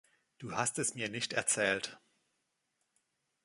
Du hast es mir nicht erzählt.